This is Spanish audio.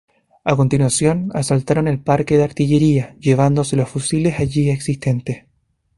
A continuación, asaltaron el Parque de Artillería, llevándose los fusiles allí existentes.